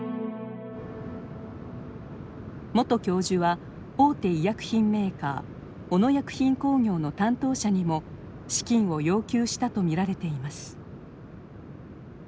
元教授は大手医薬品メーカー小野薬品工業の担当者にも資金を要求したと見られています。